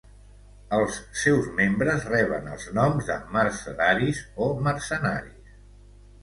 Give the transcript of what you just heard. Els seus membres reben els noms de mercedaris o mercenaris.